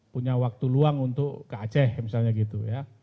punya waktu luang untuk ke aceh misalnya gitu ya